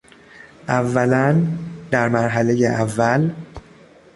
اولا، در مرحلهی اول